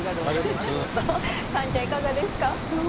カンちゃんいかがですか？